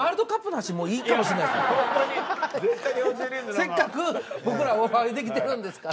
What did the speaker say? せっかく僕らお会いできてるんですから。